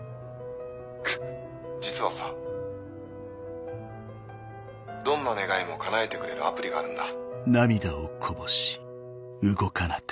実はさどんな願いも叶えてくれるアプリがあるんだ。